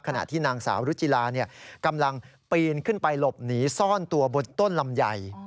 ขณะที่นางสาวรุจิลากำลังปีนขึ้นไปหลบหนีซ่อนตัวบนต้นลำไย